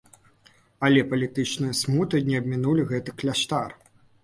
Але палітычныя смуты не абмінулі гэты кляштар.